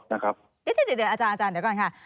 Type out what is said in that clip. เดี๋ยวอาจารย์เดี๋ยวก่อนค่ะ